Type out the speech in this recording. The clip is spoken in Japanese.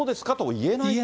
言えない。